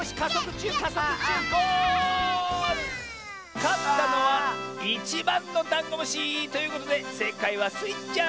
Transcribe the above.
かったのは１ばんのダンゴムシということでせいかいはスイちゃん！